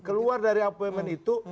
keluar dari appointment itu